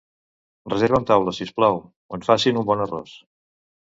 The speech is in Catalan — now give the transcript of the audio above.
Reserva'm taula si us plau, on facin un bon arròs.